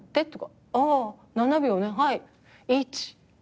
ああ７秒ねはい。